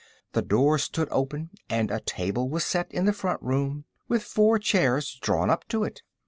The door stood open and a table was set in the front room, with four chairs drawn up to it.